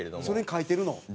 それに書いてるの？